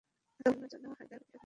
আতাউল্লাহর জন্য হায়দার প্রতিশোধ নিল।